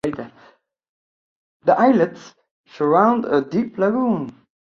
The islets surround a deep lagoon.